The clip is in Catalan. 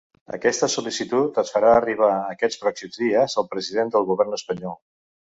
Aquesta sol·licitud es farà arribar ‘aquests pròxims dies’ al president del govern espanyol.